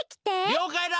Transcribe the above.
・りょうかいだ！